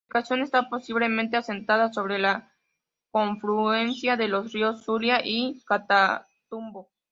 Su ubicación está posiblemente asentada sobre la confluencia de los ríos Zulia y Catatumbo.